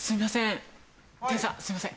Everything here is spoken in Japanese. すいません。